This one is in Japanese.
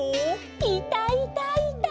「いたいたいた！」